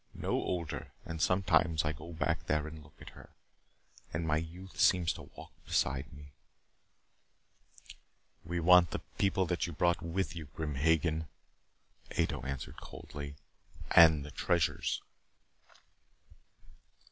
No older. And sometimes I go there and look at her, and my youth seems to walk beside me " "We want the people that you brought with you, Grim Hagen," Ato answered coldly. "And the treasures."